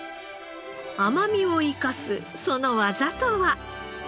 甘みを生かすその技とは？